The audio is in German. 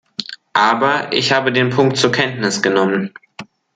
Aber ich habe den Punkt zur Kenntnis genommen.